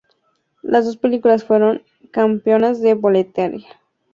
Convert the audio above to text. Las dos películas fueron "campeonas de boletería".